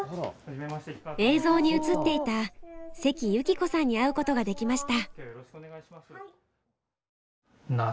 映像に映っていた関有希子さんに会うことができました。